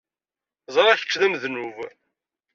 Ẓriɣ kečč d amednub.